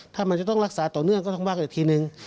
ถ้ามันจะต้องรักษาต่อเนื่องก็ต้องว่ากันอีกทีนึง